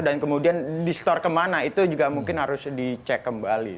dan kemudian di store kemana itu juga mungkin harus dicek kembali